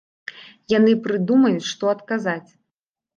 Яны прыдумаюць, што адказаць.